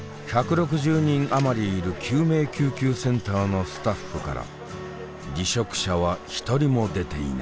１６０人余りいる救命救急センターのスタッフから離職者は一人も出ていない。